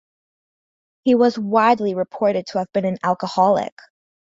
He was widely reported to have been an alcoholic.